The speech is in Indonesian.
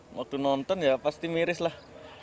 waktu nonton ya pasti miris lah